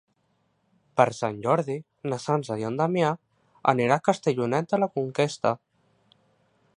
Per Sant Jordi na Sança i en Damià aniran a Castellonet de la Conquesta.